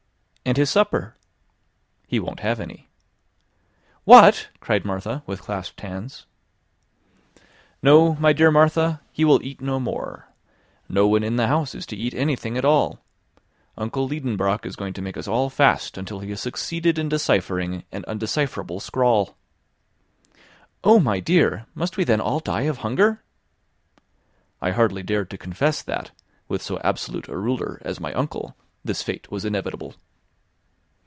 "And his supper?" "He won't have any." "What?" cried Martha, with clasped hands. "No, my dear Martha, he will eat no more. No one in the house is to eat anything at all. Uncle Liedenbrock is going to make us all fast until he has succeeded in deciphering an undecipherable scrawl." "Oh, my dear! must we then all die of hunger?" I hardly dared to confess that, with so absolute a ruler as my uncle, this fate was inevitable.